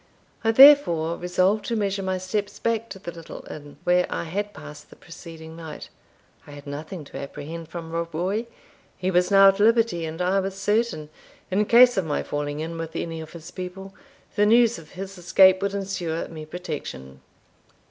I therefore resolved to measure my steps back to the little inn, where I had passed the preceding night. I had nothing to apprehend from Rob Roy. He was now at liberty, and I was certain, in case of my falling in with any of his people, the news of his escape would ensure me protection.